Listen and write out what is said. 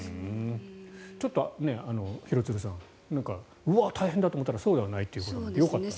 ちょっと廣津留さんうわっ、大変だと思ったらそうではないということでよかったです。